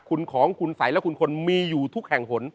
คุณของคุณสัยและคุณคนมีอยู่ทุกแห่งหน